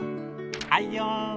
はいよ。